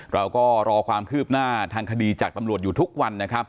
เราก็รอความคืบหน้าทางคดีจากตำรวจอยู่ทุกวันนะครับ